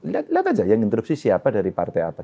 lihat lihat aja yang interupsi siapa dari partai apa